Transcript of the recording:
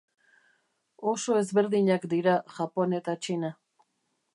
Oso ezberdinak dira Japon eta Txina.